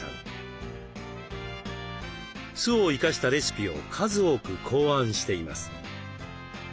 酢を生かしたレシピを数多く考案しています。